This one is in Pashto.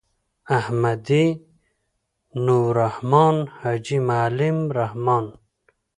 احمدی.نوالرحمن.حاجی معلم الرحمن